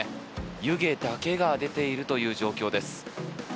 湯気だけが出ているという状況です。